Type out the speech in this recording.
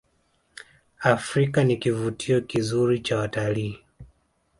afrika ni kivutio kizuri cha wataliii